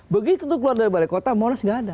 begitu keluar dari balai kota monas tidak ada